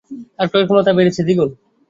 আর ক্রয়ক্ষমতা বেড়েছে দ্বিগুণ।